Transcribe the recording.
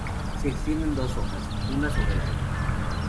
Se extienden dos hojas, unas sobre la otra.